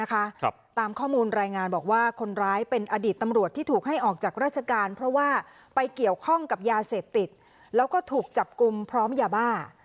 ตามข้อมูลรายงานบอกว่าคนร้ายเป็นอดีตตำรวจที่ถูกให้ออกจากราชการเพราะว่าไปเกี่ยวข้องกับยาเสพติดแล้วก็ถูกจับกลุ่มพร้อมยาบ้า